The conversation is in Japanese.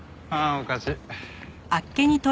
おかしい。